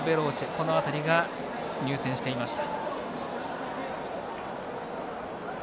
この辺りが入線していました。